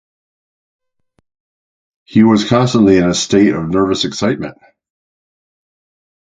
He was constantly in a state of nervous excitement.